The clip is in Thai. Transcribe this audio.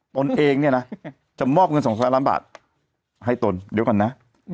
ตนเองเนี่ยนะจะมอบเงิน๒๐๐ล้านบาทให้ตนเดี๋ยวก่อนนะ